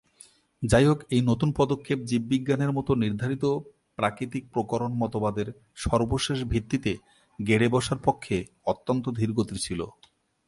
যাইহোক, এই নতুন পদক্ষেপ জীববিজ্ঞানের মত নির্ধারিত প্রাকৃতিক প্রকরণ মতবাদের সর্বশেষ ভিত্তিতে গেড়ে বসার পক্ষে অত্যন্ত ধীরগতির ছিল।